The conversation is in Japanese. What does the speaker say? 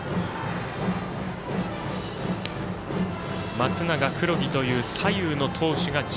松永、黒木という左右の投手が軸。